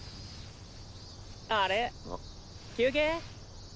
あれ休憩？